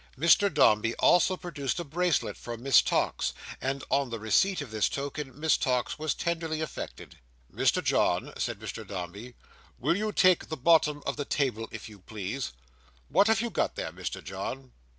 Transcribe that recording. Mr Dombey also produced a bracelet for Miss Tox; and, on the receipt of this token, Miss Tox was tenderly affected. "Mr John," said Mr Dombey, "will you take the bottom of the table, if you please? What have you got there, Mr John?"